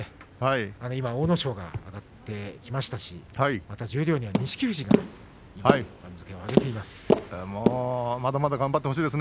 今、阿武咲が上がってきましたし、十両には錦富士もいます。